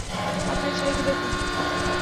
আপনার ছেলেকে দেখুন।